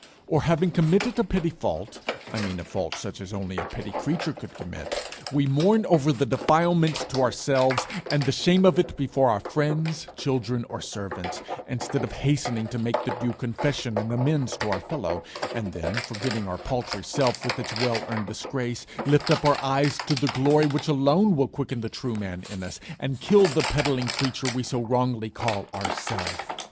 Or, having committed a petty fault, I mean a fault such as only a petty creature could commit, we mourn over the defilement to ourselves, and the shame of it before our friends, children, or servants, instead of hastening to make the due confession and amends to our fellow, and then, forgetting our paltry self with its well earned disgrace, lift up our eyes to the glory which alone will quicken the true man in us, and kill the peddling creature we so wrongly call our self.